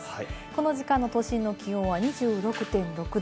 この時間の都心の気温は２６．６度。